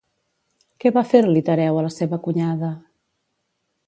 Què va fer-li Tereu a la seva cunyada?